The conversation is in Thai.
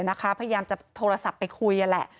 พยายามจะโทรศัพท์ไปคุยนั่นแหละ